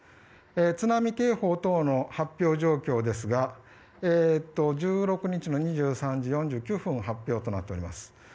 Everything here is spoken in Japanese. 津波警報等の発表状況ですが１６日の２３時４９分発表となっております。